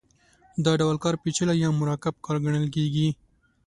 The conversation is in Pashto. دا ډول کار پېچلی یا مرکب کار ګڼل کېږي